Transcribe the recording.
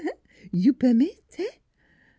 . You permit eh?" M.